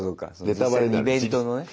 ネタバレにイベントのね。